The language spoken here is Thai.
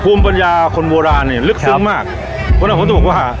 ภูมิปัญญาคนโบราณเนี่ยลึกซึ้งมากเพราะฉะนั้นผมต้องบอกว่า